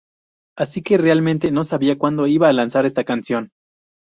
Así que realmente no sabía cuándo iba a lanzar esta canción.